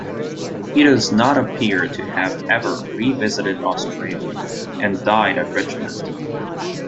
He does not appear to have ever revisited Australia, and died at Richmond.